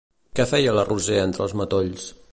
Què feia la Roser entre els matolls?